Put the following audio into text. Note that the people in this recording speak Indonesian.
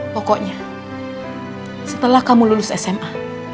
pokoknya setelah kamu lulus sma